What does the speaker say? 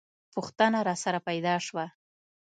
پوښتنه راسره پیدا شوه.